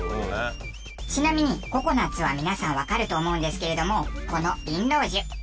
ちなみにココナッツは皆さんわかると思うんですけれどもこのビンロウジュ。